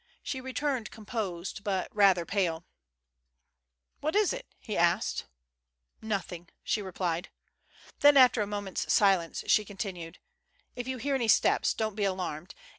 She returned composed, but rather pale. " What is it ?" he asked. ''Nothing," she replied. Then after a moment's silence she continued: " If you hear any steps, don't be alarmed.